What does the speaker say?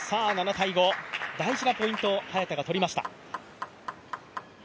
大事なポイントを早田が取りました。